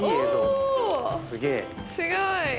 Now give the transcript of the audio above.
おすごい。